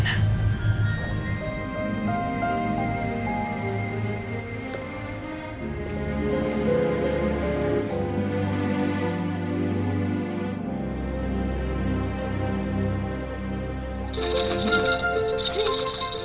nggak ada apa apa